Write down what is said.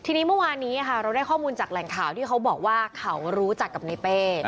ทีนี้เมื่อวานนี้เราได้ข้อมูลจากแหล่งข่าวที่เขาบอกว่าเขารู้จักกับในเป้